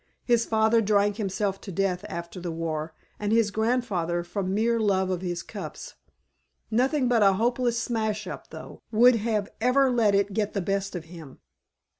His father drank himself to death after the war, and his grandfather from mere love of his cups. Nothing but a hopeless smash up, though, would ever have let it get the best of him....